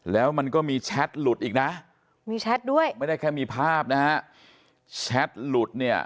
แล้วมันก็มีแชทหลุดอีกนะมีแชทด้วยไม่ได้แค่มีภาพนะฮะแชทหลุดเนี่ย